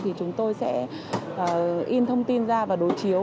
thì chúng tôi sẽ in thông tin ra và đối chiếu